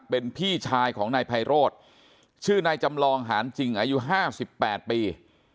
เป็นพี่ชายของนายไพโรธชื่อนายจำลองหานจริงอายุ๕๘ปี